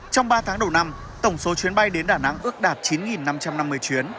trong ba tháng đầu năm tổng số chuyến bay đến đà nẵng ước đạt chín năm trăm năm mươi chuyến